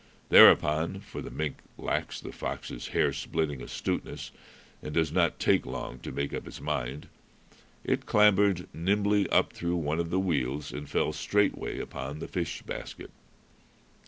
Thereupon for the mink lacks the fox's hair splitting astuteness, and does not take long to make up its mind it clambered nimbly up through one of the wheels and fell straightway upon the fish basket.